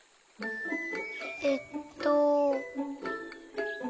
えっと。